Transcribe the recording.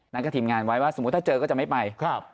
กับทีมงานไว้ว่าสมมุติถ้าเจอก็จะไม่ไป